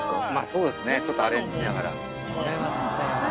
そうですねちょっとアレンジしながら。